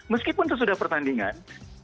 meskipun sesudah pertandingan